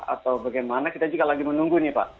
atau bagaimana kita juga lagi menunggu nih pak